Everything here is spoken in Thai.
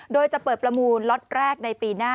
โดยจะเปิดประมูลล็อตแรกในปีหน้า